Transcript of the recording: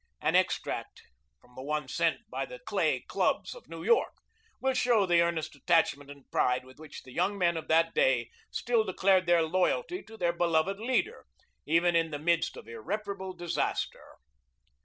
An extract from the one sent by the Clay Clubs of New York will show the earnest attachment and pride with which the young men of that day still declared their loyalty to their beloved leader, even in the midst of irreparable disaster.